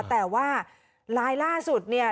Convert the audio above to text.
แต่ว่าลายล่าสุดเนี่ย